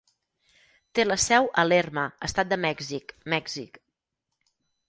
Té la seu a Lerma, Estat de Mèxic, Mèxic.